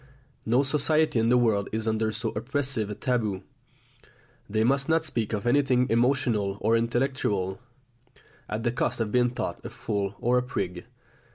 No society in the world is under so oppressive a taboo. They must not speak of anything emotional or intellectual, at the cost of being thought a fool or a prig.